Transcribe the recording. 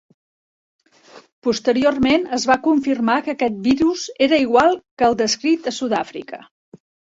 Posteriorment, es va confirmar que aquest virus era igual que el descrit a Sud Àfrica.